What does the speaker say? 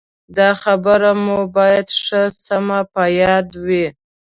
دا خبره مو باید ښه سمه په یاد وي.